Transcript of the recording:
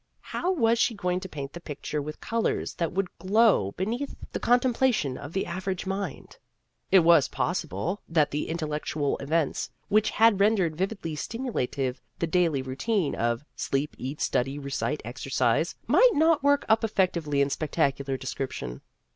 How was she going to paint the picture with colors that would glow beneath the contempla tion of the average mind ? It was possi ble that the intellectual events, which had rendered vividly stimulative the daily routine of sleep eat study recite exercise, might not work up effectively in spectacular description.